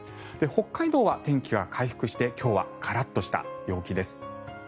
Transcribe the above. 北海道は天気が回復して今日はカラッとした陽気です。